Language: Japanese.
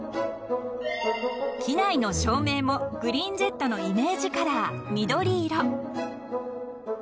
［機内の照明もグリーンジェットのイメージカラー緑色］